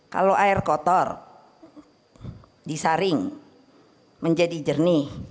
kalau air kotor disaring menjadi jernih